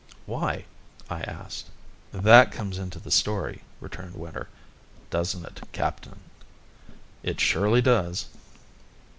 "Why?" I asked. "That comes into the story," returned Winter. "Doesn't it, Captain?" "It surely does."